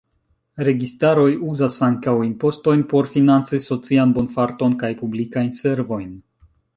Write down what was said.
Registaroj uzas ankaŭ impostojn por financi socian bonfarton kaj publikajn servojn.